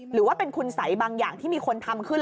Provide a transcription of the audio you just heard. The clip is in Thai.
หรือว่าเป็นคุณสัยบางอย่างที่มีคนทำขึ้น